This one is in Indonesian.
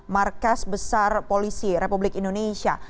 markas besar polisi republik indonesia